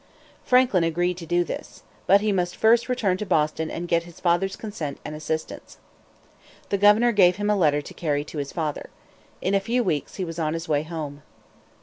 Franklin agreed to do this. But he must first return to Boston and get his father's consent and assistance. The governor gave him a letter to carry to his father. In a few weeks he was on his way home.